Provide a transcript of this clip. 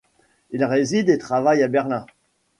Il réside et travaille à Berlin.